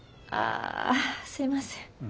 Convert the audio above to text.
あすいません。